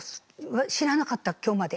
知らなかった今日まで。